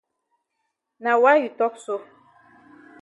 Na why you tok so?